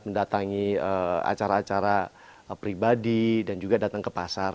mendatangi acara acara pribadi dan juga datang ke pasar